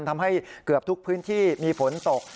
ทำให้เกือบทุกพื้นที่มีฝนตก